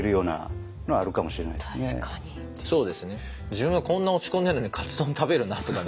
自分はこんな落ち込んでるのにカツ丼食べるなとかね。